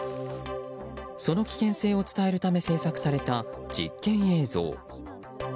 その危険性を伝えるため制作された実験映像。